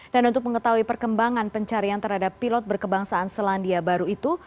dan untuk mengetahui perkembangan pencarian terhadap pilot berkebangsaan selandia baru itu